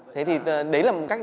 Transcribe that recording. thế thì đấy là một cách